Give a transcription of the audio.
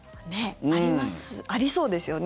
ありそうですよね。